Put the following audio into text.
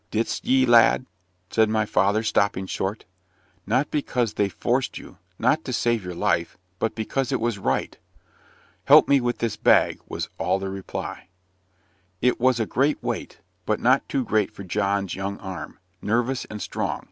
"Didst thee, lad?" said my father, stopping short. "Not because they forced you not to save your life but because it was right." "Help me with this bag," was all the reply. It was a great weight, but not too great for John's young arm, nervous and strong.